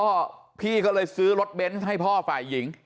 ไอ้พ่อพี่ก็เลยซื้อรถเบนท์ให้พ่อไปหญิง